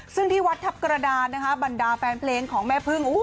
ซึ่งที่วัดทัพกระดานนะคะบรรดาแฟนเพลงของแม่พึ่ง